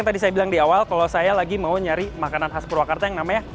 tadi saya bilang diawal kalau saya lagi mau nyari makanan khas purwakarta yang namanya sate marangi